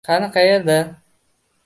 - Qani, qayerda?!